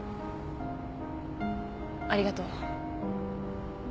ありがとう。